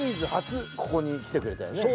ここに来てくれたよね。